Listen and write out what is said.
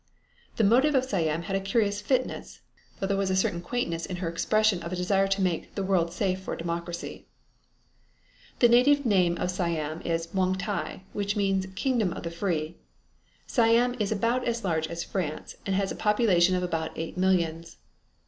The motive of Siam had a curious fitness, though there was a certain quaintness in her expression of a desire to make, "the world safe for democracy." The native name of Siam is Muang Thai, which means the Kingdom of the Free. Siam is about as large as France, and has a population of about eight millions.